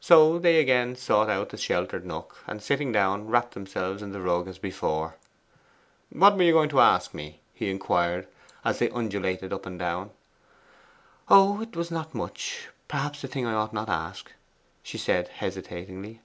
So they again sought out the sheltered nook, and sitting down wrapped themselves in the rug as before. 'What were you going to ask me?' he inquired, as they undulated up and down. 'Oh, it was not much perhaps a thing I ought not to ask,' she said hesitatingly.